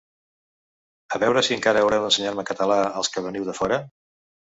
A veure si encara haureu d'ensenyar-me català els que veniu de fora.